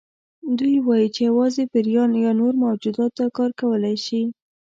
دوی وایي چې یوازې پیریان یا نور موجودات دا کار کولی شي.